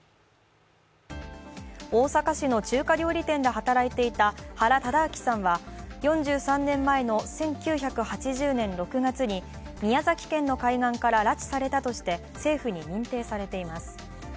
大阪市の中華料理店で働いていた原敕晁さんは４３年前の１９８０年６月に宮崎県の海岸から拉致されたとして政府に認定されています。